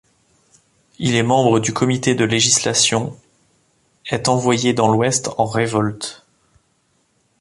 Il est membre du comité de législation, est envoyé dans l'Ouest en révolte.